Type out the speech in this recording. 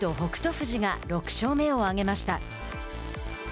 富士が６勝目を挙げました。